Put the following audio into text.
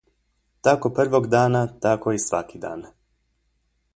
Tako prvog dana, tako i svaki dan.